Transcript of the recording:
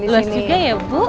ues juga ya bu